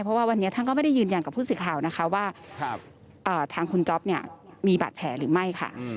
เพราะว่าวันนี้ท่านก็ไม่ได้ยืนยันกับผู้สิทธิ์ข่าวว่าทางคุณจ๊อบมีบัตรแผลหรือไม่